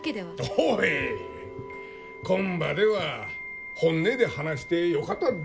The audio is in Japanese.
おいこん場では本音で話してよかったっど？